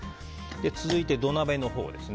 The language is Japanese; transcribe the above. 続いて、土鍋のほうです。